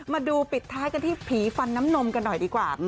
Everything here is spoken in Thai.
มาดูปิดท้ายกันที่ผีฟันน้ำนมกันหน่อยดีกว่า